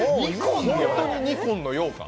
ホントにニコンのようかん？